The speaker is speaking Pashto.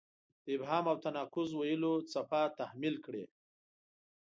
د ابهام او تناقض ویلو څپه تحمیل کړې.